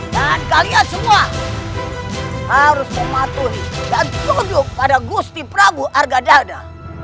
dan kalian semua harus mematuhi dan tunduk pada gusti prabu argadana